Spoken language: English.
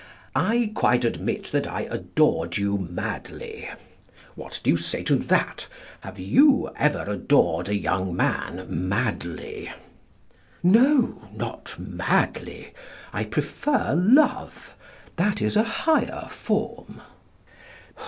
"I quite admit that I adored you madly." What do you say to that? Have you ever adored a young man madly? No; not madly. I prefer love; that is a higher form.